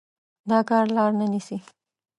دا کار لار نه نيسي.